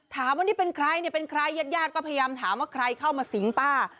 ถามว่านี่เป็นใครเนี่ยเป็นใครญาติญาติก็พยายามถามว่าใครเข้ามาสิงป้า